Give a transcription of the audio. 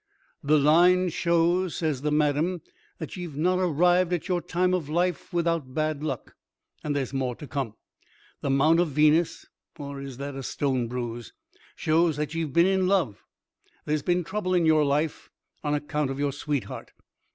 "The line shows," says the Madame, "that ye've not arrived at your time of life without bad luck. And there's more to come. The mount of Venus—or is that a stone bruise?—shows that ye've been in love. There's been trouble in your life on account of your sweetheart."